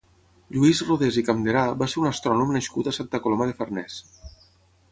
Lluís Rodés i Campderà va ser un astrònom nascut a Santa Coloma de Farners.